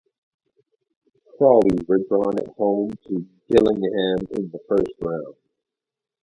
Crawley were drawn at home to Gillingham in the first round.